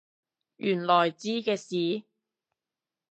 原來知嘅事？